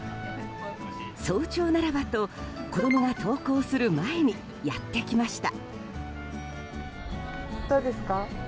早朝ならばと子供が登校する前にやってきました。